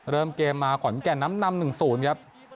เริ่มเกมมาขอนแก่นน้ำนำ๑๐ครับ